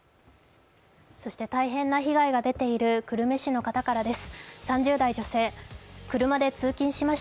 大変は被害が出ている久留米市の女性です。